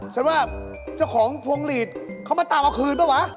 ฉันว่าเจ้าของพวงหลีดเขามาตามเอาคืนเปล่าวะ